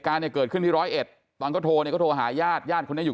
เด็กกาเนี่ยเกิดขึ้นที่๑๐๑ตอนก็โทรเนี่ยก็โทรหาญาติอยู่